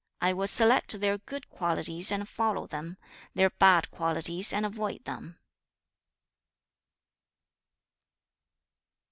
I will select their good qualities and follow them, their bad qualities and avoid them.'